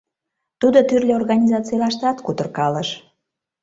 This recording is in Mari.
Тудо тӱрлӧ организацийлаштат кутыркалыш.